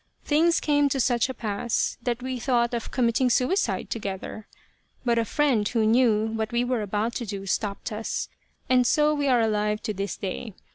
Things came to such a pass that we thought of committing suicide together. But a friend who knew what we were about to do stopped us, and so we are alive to this day.